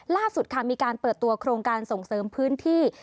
ล่าสุดค่ะมีการเปิดตัวโครงการส่งเสริมพื้นที่